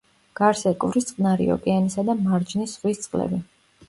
გარს ეკვრის წყნარი ოკეანისა და მარჯნის ზღვის წყლები.